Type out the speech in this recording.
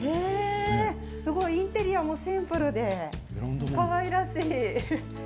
インテリアもシンプルでかわいらしい。